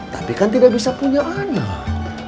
tapi kan tidak bisa punya anak